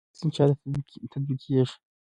واکسین چا ته تطبیقیږي؟